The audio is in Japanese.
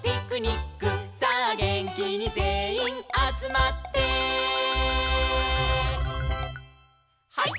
「さあげんきにぜんいんあつまって」「ハイ！